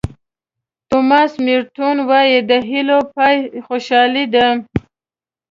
توماس مېرټون وایي د هیلو پای خوشالي ده.